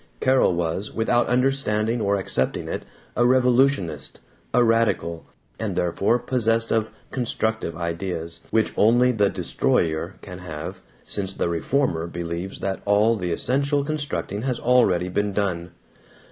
Carol was, without understanding or accepting it, a revolutionist, a radical, and therefore possessed of "constructive ideas," which only the destroyer can have, since the reformer believes that all the essential constructing has already been done.